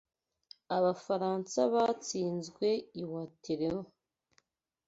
Abafaransa batsinzwe i Waterloo.